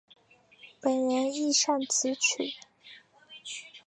本人亦擅词曲。